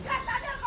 dari duit apa ha